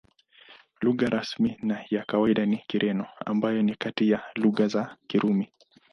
Lugha rasmi na ya kawaida ni Kireno, ambayo ni kati ya lugha za Kirumi.